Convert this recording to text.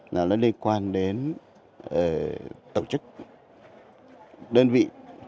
nó liên quan đến tổ chức đơn vị